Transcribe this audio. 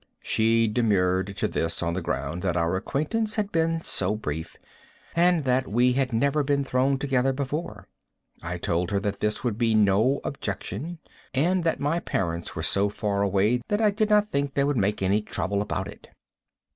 She demurred to this on the ground that our acquaintance had been so brief, and that we had never been thrown together before. I told her that this would be no objection, and that my parents were so far away that I did not think they would make any trouble about it.